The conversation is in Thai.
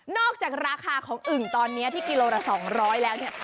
จากราคาของอึ่งตอนนี้ที่กิโลละ๒๐๐แล้วเนี่ย